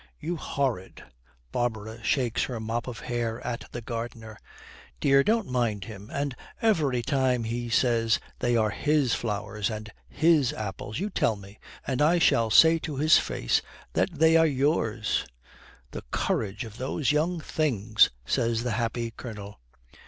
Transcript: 'You horrid!' Barbara shakes her mop of hair at the gardener. 'Dear, don't mind him. And every time he says they are his flowers and his apples, you tell me, and I shall say to his face that they are yours.' 'The courage of those young things!' says the happy Colonel.